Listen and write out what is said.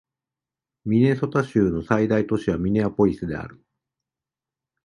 ミネソタ州の最大都市はミネアポリスである